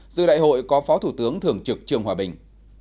dự đại hội có phó thủ tướng thường trực trường hòa bình